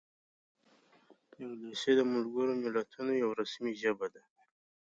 انګلیسي د ملګرو ملتونو یوه رسمي ژبه ده